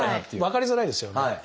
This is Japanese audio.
分かりづらいですよね。